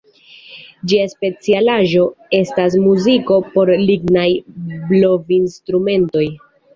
Ĝia specialaĵo estas muziko por lignaj blovinstrumentoj.